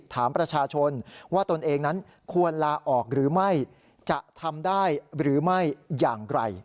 ถามประชาชนว่าตนเองนั้นควรลาออกหรือไม่จะทำได้หรือไม่อย่างไร